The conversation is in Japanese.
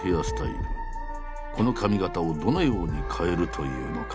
この髪型をどのように変えるというのか。